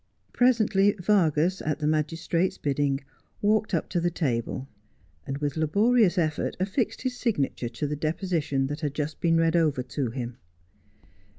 Presently Vargas, at the magistrate's bidding, walked up to the table, and, with laborious effort, affixed his signature to the deposition that had just been read over to him.